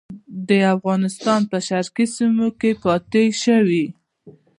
د افغانستان په شرقي سیمو کې پاته شوي.